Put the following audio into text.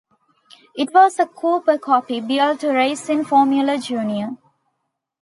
It was a 'Cooper Copy' built to race in Formula Junior.